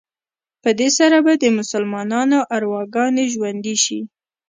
په دې سره به د مسلمانانو ارواګانې ژوندي شي.